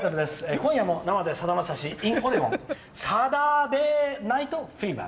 「今夜も生でさだまさしインオレゴンさだデー★ナイト★フィーバー！！」